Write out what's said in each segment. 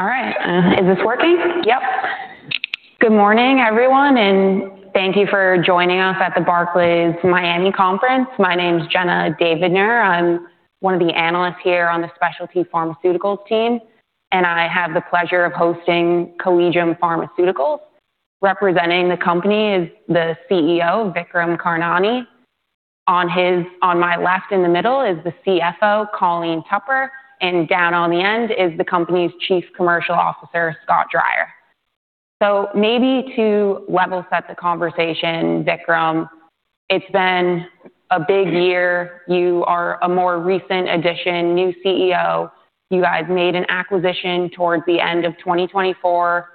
All right. Is this working? Yep. Good morning, everyone, and thank you for joining us at the Barclays Miami Conference. My name is Jenna Davidner. I'm one of the analysts here on the specialty pharmaceuticals team, and I have the pleasure of hosting Collegium Pharmaceutical. Representing the company is the CEO, Vikram Karnani. On my left in the middle is the CFO, Colleen Tupper, and down on the end is the company's Chief Commercial Officer, Scott Dreyer. Maybe to level set the conversation, Vikram, it's been a big year. You are a more recent addition, new CEO. You guys made an acquisition towards the end of 2024,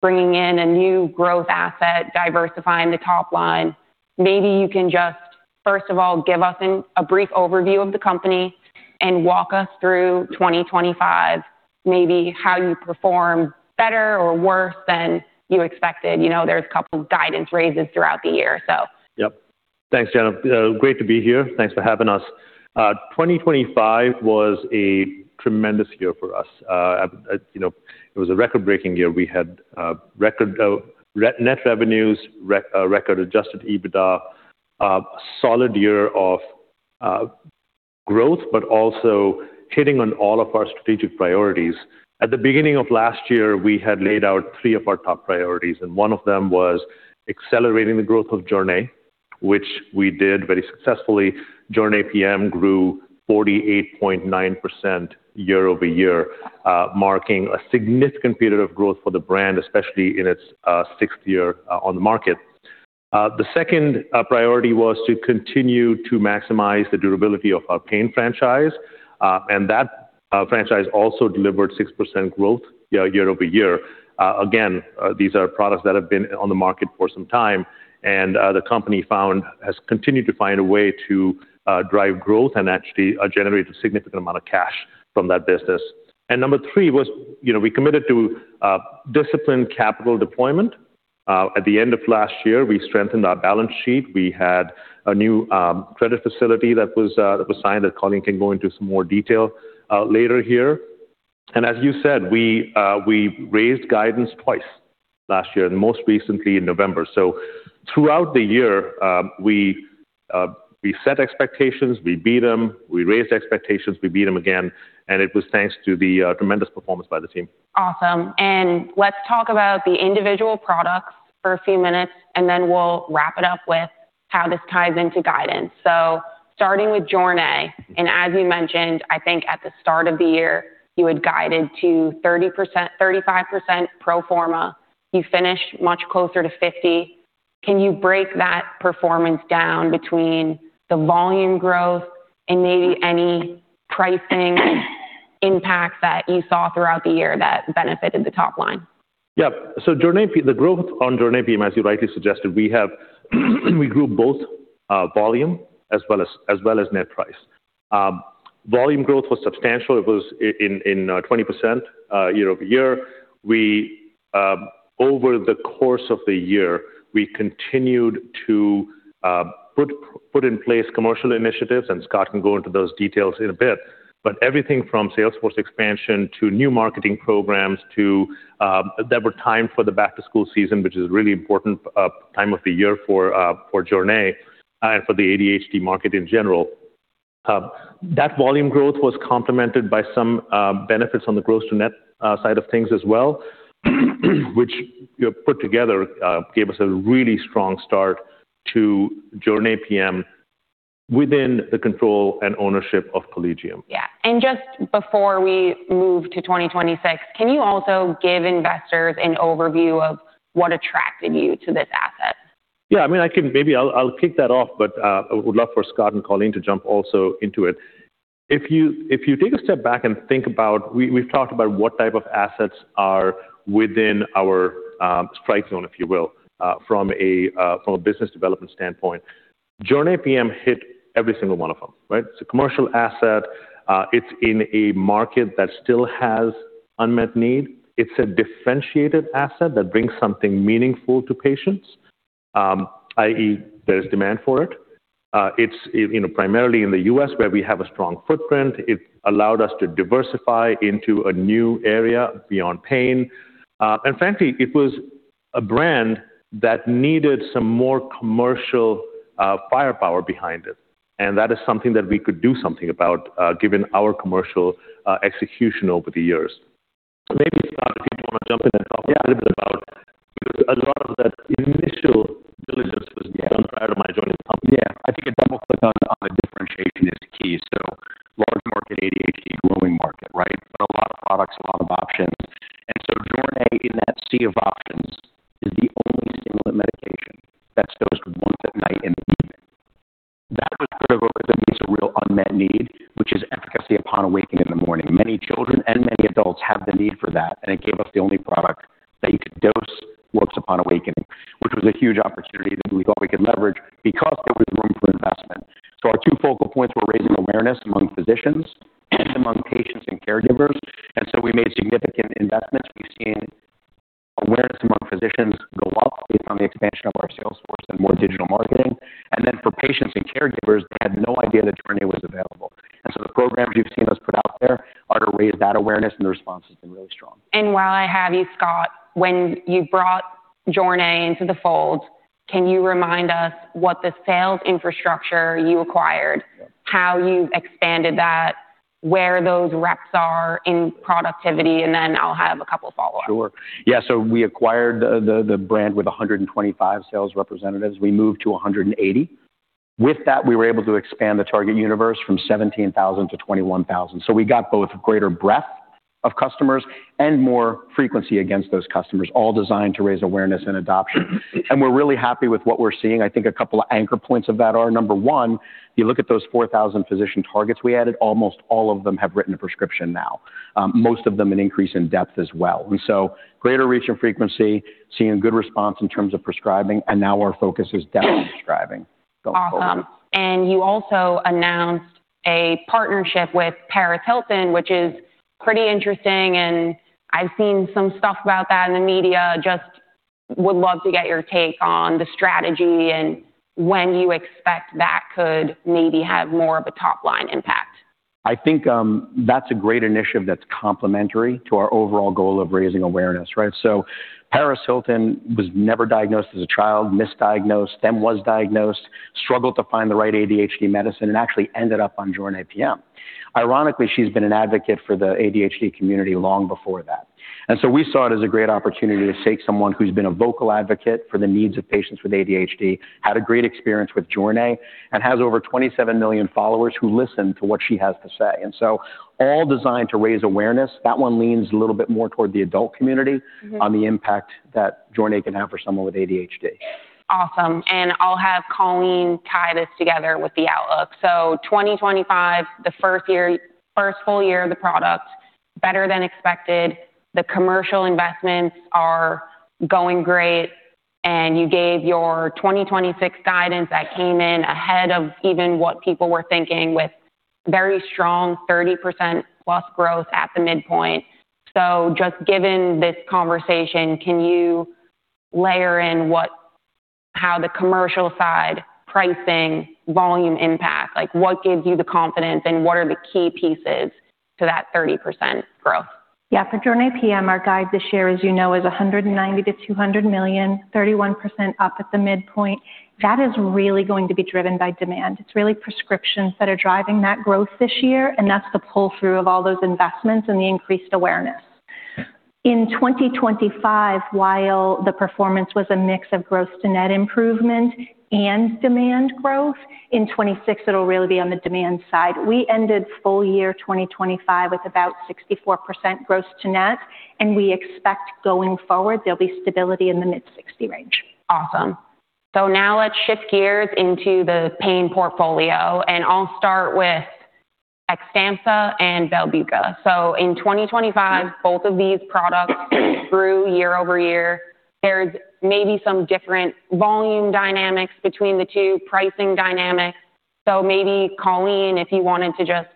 bringing in a new growth asset, diversifying the top line. Maybe you can just first of all give us a brief overview of the company and walk us through 2025, maybe how you perform better or worse than you expected. You know, there's a couple of guidance raises throughout the year, so. Thanks, Jenna. Great to be here. Thanks for having us. 2025 was a tremendous year for us. You know, it was a record-breaking year. We had record net revenues, record adjusted EBITDA, a solid year of growth, but also hitting on all of our strategic priorities. At the beginning of last year, we had laid out three of our top priorities, and one of them was accelerating the growth of JORNAY PM, which we did very successfully. JORNAY PM grew 48.9% year-over-year, marking a significant period of growth for the brand, especially in its sixth year on the market. The second priority was to continue to maximize the durability of our pain franchise. And that franchise also delivered 6% growth year-over-year. Again, these are products that have been on the market for some time, and the company has continued to find a way to drive growth and actually generate a significant amount of cash from that business. Number three was, you know, we committed to disciplined capital deployment. At the end of last year, we strengthened our balance sheet. We had a new credit facility that was signed, that Colleen can go into some more detail later here. As you said, we raised guidance twice last year, and most recently in November. Throughout the year, we set expectations, we beat them, we raised expectations, we beat them again, and it was thanks to the tremendous performance by the team. Awesome. Let's talk about the individual products for a few minutes, and then we'll wrap it up with how this ties into guidance. Starting with JORNAY, and as you mentioned, I think at the start of the year, you had guided to 30%-35% pro forma. You finished much closer to 50%. Can you break that performance down between the volume growth and maybe any pricing impact that you saw throughout the year that benefited the top line? Yeah. JORNAY PM, the growth on JORNAY PM, as you rightly suggested, we grew both volume as well as net price. Volume growth was substantial. It was in 20% year-over-year. Over the course of the year, we continued to put in place commercial initiatives, and Scott can go into those details in a bit. Everything from sales force expansion to new marketing programs to that were timed for the back-to-school season, which is a really important time of the year for JORNAY PM and for the ADHD market in general. That volume growth was complemented by some benefits on the gross to net side of things as well, which, you know, put together, gave us a really strong start to JORNAY PM within the control and ownership of Collegium. Just before we move to 2026, can you also give investors an overview of what attracted you to this asset? Yeah, I mean, maybe I'll kick that off, but I would love for Scott and Colleen to jump also into it. If you take a step back and think about. We've talked about what type of assets are within our strike zone, if you will, from a business development standpoint. JORNAY PM hit every single one of them, right? It's a commercial asset. It's in a market that still has unmet need. It's a differentiated asset that brings something meaningful to patients, i.e., there's demand for it. It's, you know, primarily in the U.S. where we have a strong footprint. It allowed us to diversify into a new area beyond pain. Frankly, it was a brand that needed some more commercial firepower behind it, and that is something that we could do something about, given our commercial execution over the years. Maybe, Scott, if you want to jump in and talk a little bit about. Because a lot of that initial diligence was done prior to my joining the company. Yeah. I think a double click on the differentiation is key. Large market, ADHD, growing market, right? A lot of products, a lot of options. JORNAY PM, in that sea of options, is the only stimulant medication that's dosed once at night in the evening. That was driven because it meets a real unmet need, which is efficacy upon awakening in the morning. Many children and many adults have the need for that, and it gave us the only product that you could dose works upon awakening, which was a huge opportunity that we thought we could leverage because there was room for investment. Our two focal points were raising awareness among physicians and among patients and caregivers. We made significant investments. We've seen awareness among physicians go up based on the expansion of our sales force and more digital marketing. For patients and caregivers, they had no idea that JORNAY was available. The programs you've seen us put out there are to raise that awareness, and the response has been really strong. While I have you, Scott, when you brought JORNAY into the fold, can you remind us what the sales infrastructure you acquired, how you've expanded that, where those reps are in productivity, and then I'll have a couple follow-up? Sure. Yeah. We acquired the brand with 125 sales representatives. We moved to 180. With that, we were able to expand the target universe from 17,000 to 21,000. We got both greater breadth of customers and more frequency against those customers, all designed to raise awareness and adoption. We're really happy with what we're seeing. I think a couple of anchor points of that are, number one, you look at those 4,000 physician targets we added, almost all of them have written a prescription now, most of them an increase in depth as well. Greater reach and frequency, seeing a good response in terms of prescribing, and now our focus is depth of prescribing going forward. Awesome. You also announced a partnership with Paris Hilton, which is pretty interesting, and I've seen some stuff about that in the media. Just would love to get your take on the strategy and when you expect that could maybe have more of a top-line impact. I think, that's a great initiative that's complementary to our overall goal of raising awareness, right? Paris Hilton was never diagnosed as a child, misdiagnosed, then was diagnosed, struggled to find the right ADHD medicine, and actually ended up on JORNAY PM. Ironically, she's been an advocate for the ADHD community long before that. We saw it as a great opportunity to take someone who's been a vocal advocate for the needs of patients with ADHD, had a great experience with JORNAY, and has over 27 million followers who listen to what she has to say. All designed to raise awareness. That one leans a little bit more toward the adult community. On the impact that JORNAY PM can have for someone with ADHD. Awesome. I'll have Colleen tie this together with the outlook. 2025, the first full year of the product, better than expected. The commercial investments are going great. You gave your 2026 guidance that came in ahead of even what people were thinking with very strong 30%+ growth at the midpoint. Just given this conversation, can you layer in what, how the commercial side, pricing, volume impact? Like, what gives you the confidence, and what are the key pieces to that 30% growth? For JORNAY PM, our guide this year, as you know, is $190 million-$200 million, 31% up at the midpoint. That is really going to be driven by demand. It's really prescriptions that are driving that growth this year, and that's the pull-through of all those investments and the increased awareness. In 2025, while the performance was a mix of gross to net improvement and demand growth, in 2026, it'll really be on the demand side. We ended full year 2025 with about 64% gross to net, and we expect going forward there'll be stability in the mid-60% range. Awesome. Now let's shift gears into the pain portfolio, and I'll start with Xtampza and Belbuca. In 2025, both of these products grew year-over-year. There's maybe some different volume dynamics between the two, pricing dynamics. Maybe, Colleen, if you wanted to just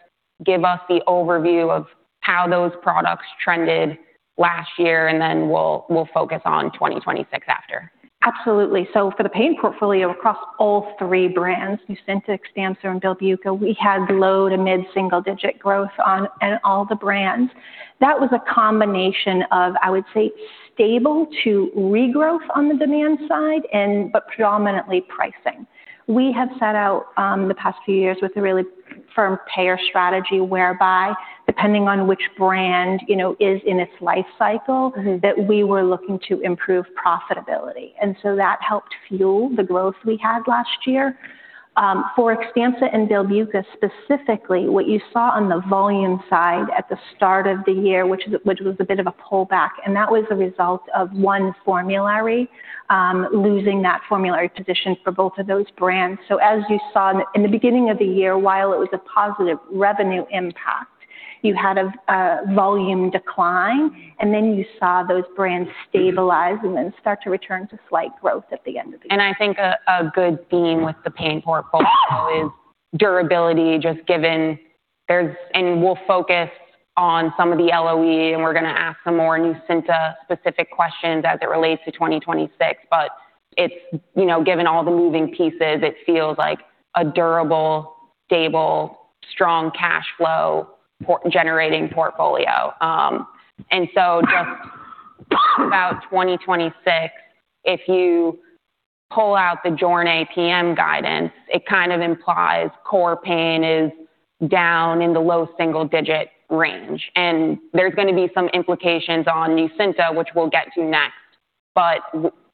give us the overview of how those products trended last year, and then we'll focus on 2026 after. Absolutely. For the pain portfolio across all three brands, Nucynta, Xtampza, and Belbuca, we had low- to mid-single-digit growth on all the brands. That was a combination of, I would say, stable to regrowth on the demand side, but predominantly pricing. We have set out the past few years with a really firm payer strategy whereby depending on which brand, you know, is in its life cycle. That we were looking to improve profitability. That helped fuel the growth we had last year. For Xtampza and Belbuca specifically, what you saw on the volume side at the start of the year, which was a bit of a pullback, and that was a result of one formulary, losing that formulary position for both of those brands. As you saw in the beginning of the year, while it was a positive revenue impact, you had a volume decline, and then you saw those brands stabilize and then start to return to slight growth at the end of the year. I think a good theme with the pain portfolio is durability, just given there's. We'll focus on some of the LOE, and we're gonna ask some more Nucynta-specific questions as it relates to 2026. It's, you know, given all the moving pieces, it feels like a durable, stable, strong cash flow generating portfolio. Just about 2026, if you pull out the JORNAY PM guidance, it kind of implies core pain is down in the low single-digit range. There's gonna be some implications on Nucynta, which we'll get to next.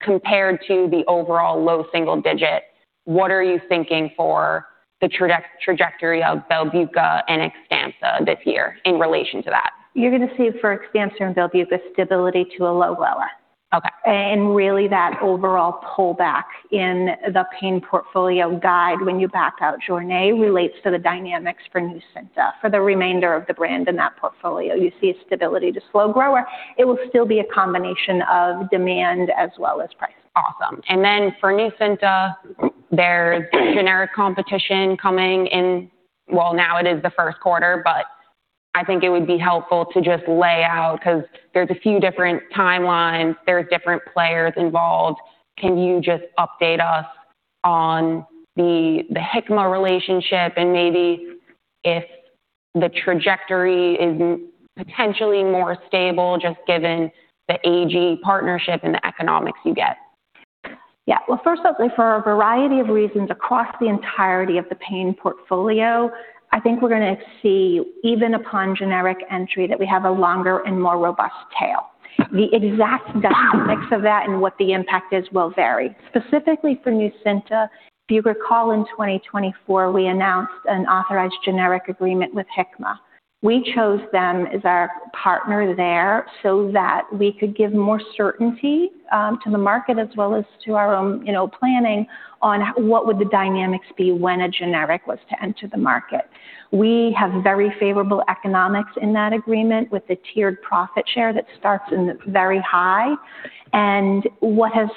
Compared to the overall low single digit, what are you thinking for the trajectory of Belbuca and Xtampza this year in relation to that? You're gonna see for Xtampza and Belbuca stability to a low grower. Okay. Really that overall pullback in the pain portfolio guide when you back out JORNAY relates to the dynamics for Nucynta. For the remainder of the brand in that portfolio. You see a stability to slow grower. It will still be a combination of demand as well as price. Awesome. Then for Nucynta, there's generic competition coming in. Well, now it is the first quarter, but I think it would be helpful to just lay out because there's a few different timelines, there's different players involved. Can you just update us on the Hikma relationship and maybe if the trajectory is potentially more stable just given the AG partnership and the economics you get? Yeah. Well, first up, for a variety of reasons across the entirety of the pain portfolio, I think we're gonna see even upon generic entry that we have a longer and more robust tail. The exact dynamics of that and what the impact is will vary. Specifically for Nucynta, if you recall in 2024, we announced an authorized generic agreement with Hikma. We chose them as our partner there so that we could give more certainty to the market as well as to our own, you know, planning on what would the dynamics be when a generic was to enter the market. We have very favorable economics in that agreement with the tiered profit share that starts and it's very high. What has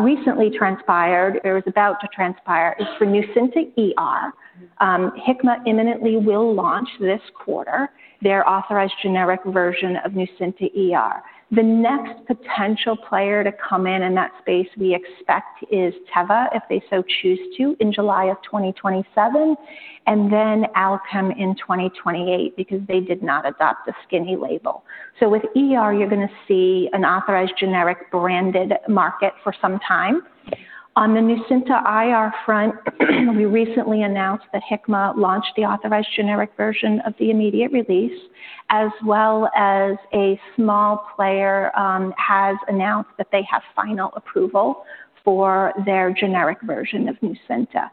recently transpired or is about to transpire is for Nucynta ER, Hikma imminently will launch this quarter their authorized generic version of Nucynta ER. The next potential player to come in in that space we expect is Teva, if they so choose to, in July of 2027, and then come in 2028 because they did not adopt the skinny label. With ER, you're gonna see an authorized generic branded market for some time. On the Nucynta IR front, we recently announced that Hikma launched the authorized generic version of the immediate release, as well as a small player has announced that they have final approval for their generic version of Nucynta.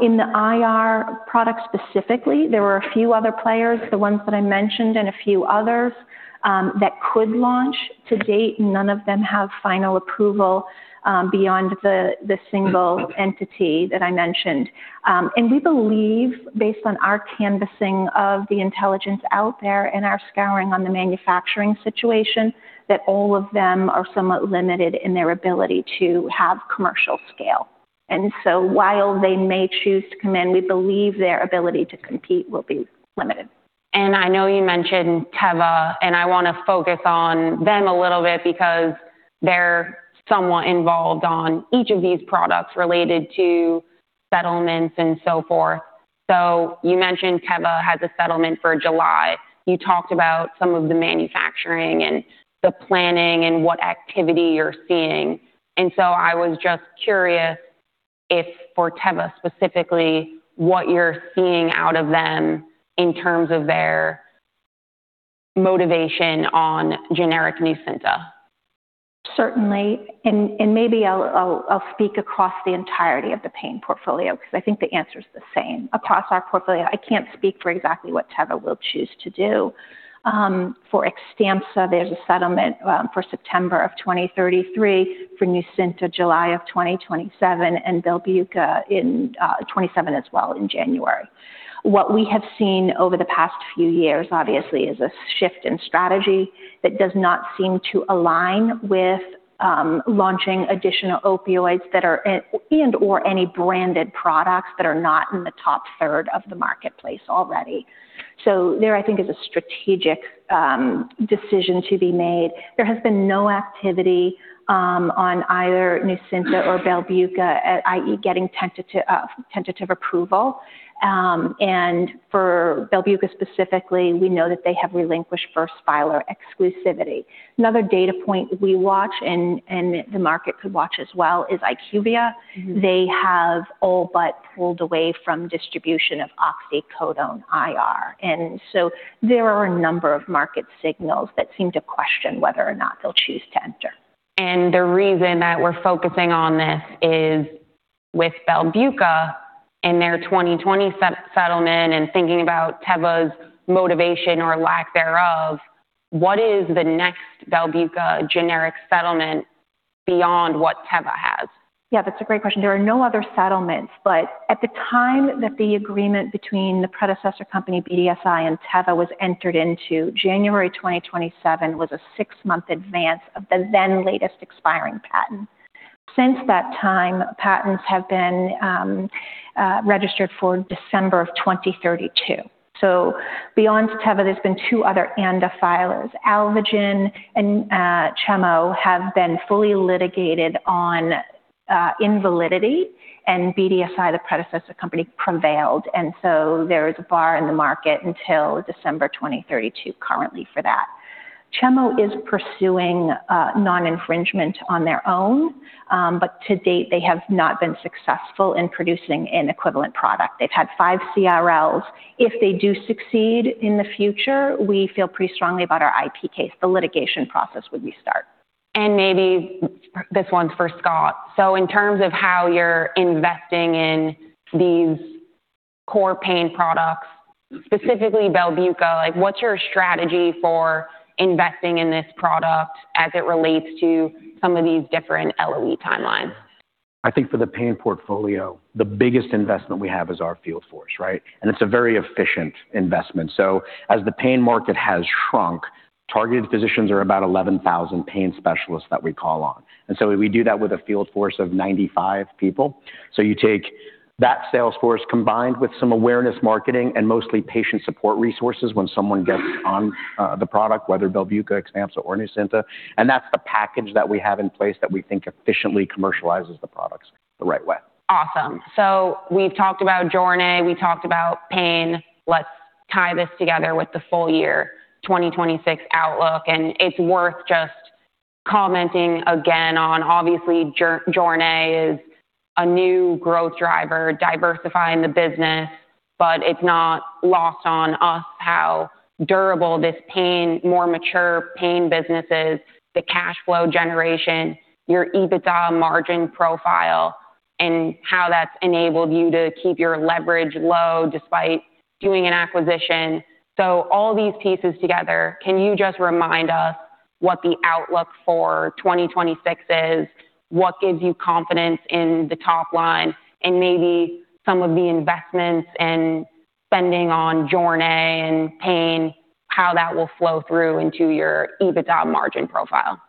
In the IR product specifically, there were a few other players, the ones that I mentioned and a few others that could launch. To date, none of them have final approval beyond the single entity that I mentioned. We believe based on our canvassing of the intelligence out there and our scouring on the manufacturing situation, that all of them are somewhat limited in their ability to have commercial scale. While they may choose to come in, we believe their ability to compete will be limited. I know you mentioned Teva, and I want to focus on them a little bit because they're somewhat involved on each of these products related to settlements and so forth. You mentioned Teva has a settlement for July. You talked about some of the manufacturing and the planning and what activity you're seeing. I was just curious if for Teva specifically, what you're seeing out of them in terms of their motivation on generic Nucynta. Certainly. Maybe I'll speak across the entirety of the pain portfolio because I think the answer is the same across our portfolio. I can't speak for exactly what Teva will choose to do. For Xtampza, there's a settlement for September of 2033, for Nucynta July of 2027, and Belbuca in 2027 as well in January. What we have seen over the past few years, obviously, is a shift in strategy that does not seem to align with launching additional opioids and/or any branded products that are not in the top 1/3 of the marketplace already. There I think is a strategic decision to be made. There has been no activity on either Nucynta or Belbuca, i.e., getting tentative approval. For Belbuca specifically, we know that they have relinquished first filer exclusivity. Another data point we watch and the market could watch as well is IQVIA. They have all but pulled away from distribution of oxycodone IR. There are a number of market signals that seem to question whether or not they'll choose to enter. The reason that we're focusing on this is with Belbuca and their 2020 settlement and thinking about Teva's motivation or lack thereof, what is the next Belbuca generic settlement beyond what Teva has? hat's a great question. There are no other settlements, but at the time that the agreement between the predecessor company BDSI and Teva was entered into, January 2027, was a six-month advance of the then latest expiring patent. Since that time, patents have been registered for December of 2032. Beyond Teva, there's been two other ANDA filers. Alvogen and Chemo have been fully litigated on invalidity, and BDSI, the predecessor company, prevailed. There is a bar in the market until December 2032 currently for that. Chemo is pursuing non-infringement on their own, but to date they have not been successful in producing an equivalent product. They've had five CRLs. If they do succeed in the future, we feel pretty strongly about our IP case. The litigation process would restart. Maybe this one's for Scott. In terms of how you're investing in these core pain products, specifically Belbuca, like what's your strategy for investing in this product as it relates to some of these different LOE timelines? I think for the pain portfolio, the biggest investment we have is our field force, right? It's a very efficient investment. As the pain market has shrunk, targeted physicians are about 11,000 pain specialists that we call on. We do that with a field force of 95 people. You take that sales force combined with some awareness marketing and mostly patient support resources when someone gets on the product, whether Belbuca, Xtampza or Nucynta, and that's the package that we have in place that we think efficiently commercializes the products the right way. Awesome. We've talked about JORNAY, we talked about pain. Let's tie this together with the full-year 2026 outlook, and it's worth just commenting again on. Obviously, JORNAY is a new growth driver diversifying the business, but it's not lost on us how durable this pain, more mature pain business is, the cash flow generation, your EBITDA margin profile and how that's enabled you to keep your leverage low despite doing an acquisition. All these pieces together, can you just remind us what the outlook for 2026 is, what gives you confidence in the top line and maybe some of the investments and spending on JORNAY and pain, how that will flow through into your EBITDA margin profile?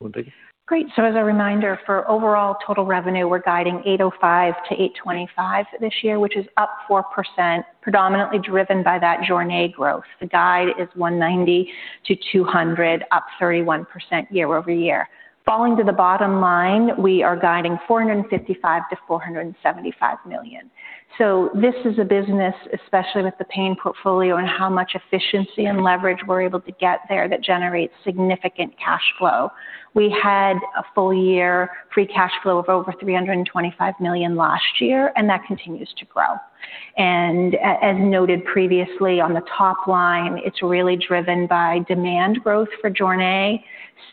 Colleen. Great. As a reminder, for overall total revenue, we're guiding $805 million-$825 million this year, which is up 4%, predominantly driven by that JORNAY growth. The guide is $190-$200, up 31% year-over-year. Falling to the bottom line, we are guiding $455 million-$475 million. This is a business, especially with the pain portfolio and how much efficiency and leverage we're able to get there that generates significant cash flow. We had a full-year free cash flow of over $325 million last year, and that continues to grow. As noted previously on the top line, it's really driven by demand growth for JORNAY,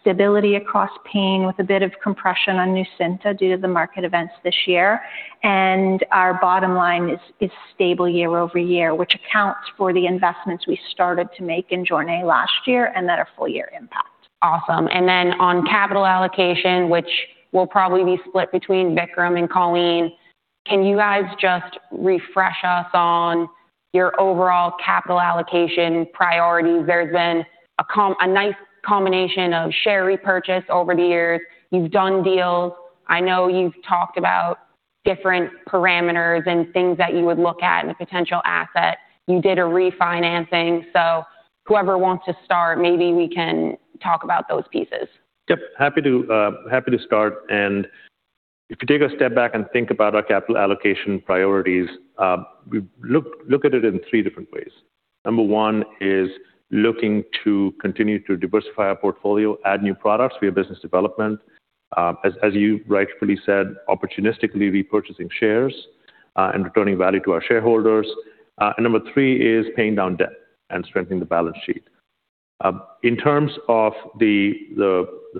stability across pain with a bit of compression on Nucynta due to the market events this year. Our bottom line is stable year-over-year, which accounts for the investments we started to make in JORNAY PM last year and then a full-year impact. Awesome. On capital allocation, which will probably be split between Vikram and Colleen, can you guys just refresh us on your overall capital allocation priorities? There's been a nice combination of share repurchase over the years. You've done deals. I know you've talked about different parameters and things that you would look at in a potential asset. You did a refinancing. Whoever wants to start, maybe we can talk about those pieces. Happy to start. If you take a step back and think about our capital allocation priorities, we look at it in three different ways. Number one is looking to continue to diversify our portfolio, add new products via business development. As you rightfully said, opportunistically repurchasing shares, and returning value to our shareholders. Number three is paying down debt and strengthening the balance sheet. In terms of the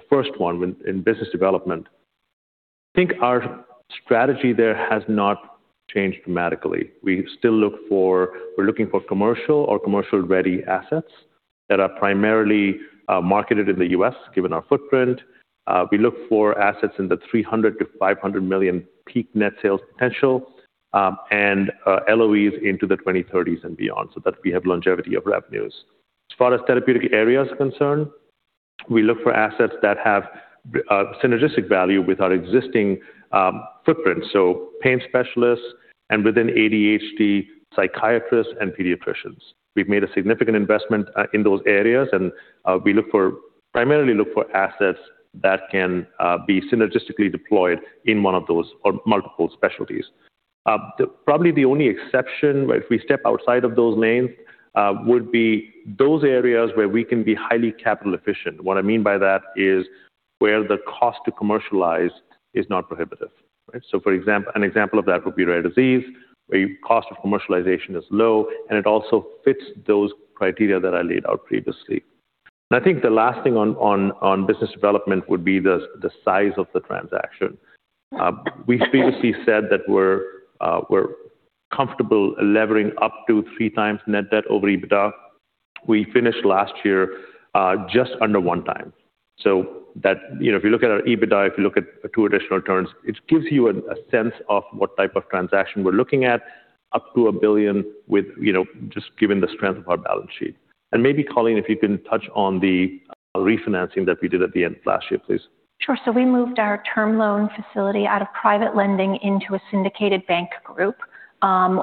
first one in business development, I think our strategy there has not changed dramatically. We're looking for commercial or commercial-ready assets that are primarily marketed in the U.S., given our footprint. We look for assets in the $300 million-$500 million peak net sales potential, and LOEs into the 2030s and beyond so that we have longevity of revenues. As far as therapeutic area is concerned, we look for assets that have synergistic value with our existing footprint, so pain specialists and within ADHD, psychiatrists and pediatricians. We've made a significant investment in those areas, and we primarily look for assets that can be synergistically deployed in one of those or multiple specialties. Probably the only exception if we step outside of those lanes would be those areas where we can be highly capital efficient. What I mean by that is where the cost to commercialize is not prohibitive. Right? An example of that would be rare disease, where your cost of commercialization is low, and it also fits those criteria that I laid out previously. I think the last thing on business development would be the size of the transaction. We previously said that we're comfortable levering up to three times net debt to EBITDA. We finished last year just under one time. You know, if you look at our EBITDA, if you look at two additional terms, it gives you a sense of what type of transaction we're looking at up to $1 billion, you know, just given the strength of our balance sheet. Maybe, Colleen, if you can touch on the refinancing that we did at the end of last year, please. Sure. We moved our term loan facility out of private lending into a syndicated bank group.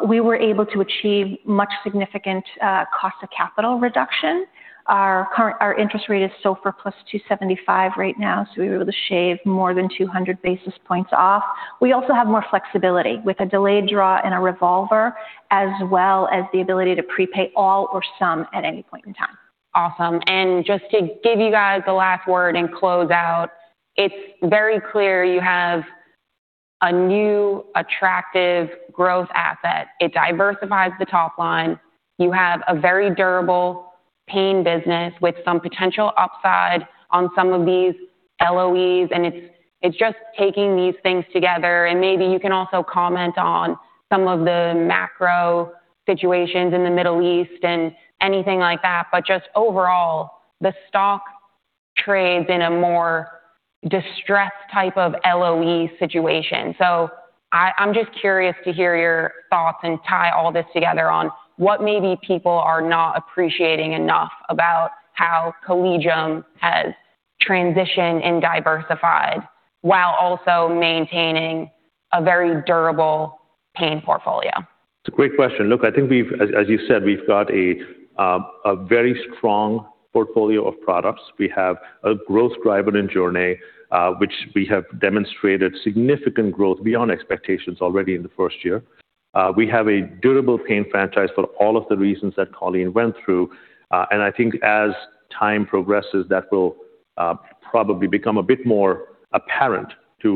We were able to achieve significant cost of capital reduction. Our current interest rate is SOFR plus 275 right now, so we were able to shave more than 200 basis points off. We also have more flexibility with a delayed draw and a revolver, as well as the ability to prepay all or some at any point in time. Awesome. Just to give you guys the last word and close out, it's very clear you have a new attractive growth asset. It diversifies the top line. You have a very durable pain business with some potential upside on some of these LOEs. It's just taking these things together. Maybe you can also comment on some of the macro situations in the Middle East and anything like that. Just overall, the stock trades in a more distressed type of LOE situation. I'm just curious to hear your thoughts and tie all this together on what maybe people are not appreciating enough about how Collegium has transitioned and diversified while also maintaining a very durable pain portfolio. It's a great question. Look, I think, as you said, we've got a very strong portfolio of products. We have a growth driver in JORNAY PM, which we have demonstrated significant growth beyond expectations already in the first year. We have a durable pain franchise for all of the reasons that Colleen went through. I think as time progresses, that will probably become a bit more apparent to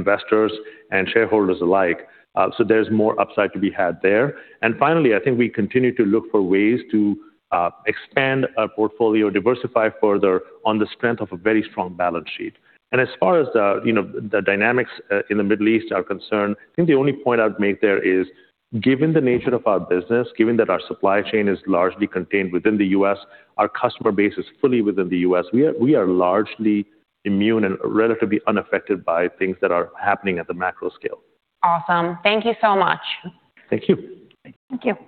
investors and shareholders alike. So there's more upside to be had there. Finally, I think we continue to look for ways to expand our portfolio, diversify further on the strength of a very strong balance sheet. As far as the, you know, the dynamics in the Middle East are concerned, I think the only point I'd make there is, given the nature of our business, given that our supply chain is largely contained within the U.S., our customer base is fully within the U.S., we are largely immune and relatively unaffected by things that are happening at the macro scale. Awesome. Thank you so much. Thank you. Thank you.